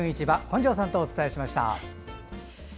本庄さんとお伝えしました。